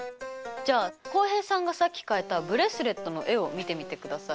じゃあ浩平さんがさっき描いたブレスレットの絵を見てみてください。